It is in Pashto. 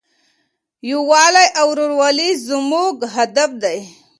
یووالی او ورورولي زموږ هدف دی.